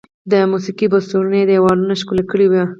د موسیقي پوسټرونه یې دیوالونه ښکلي کړي وي.